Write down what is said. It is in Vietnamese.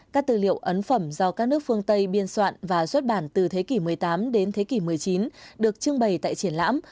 các tư liệu ấn phẩm do các nước phương tây biên soạn và xuất bản từ thế kỷ một mươi tám đến thế kỷ một mươi chín được trưng bày tại triển lãm